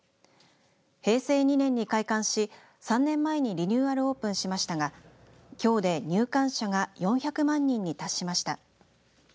平成２年に開館し３年前にリニューアルオープンしましたがきょうで入館者が４００万人に達しました。